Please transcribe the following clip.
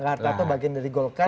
kata kata bagian dari golkar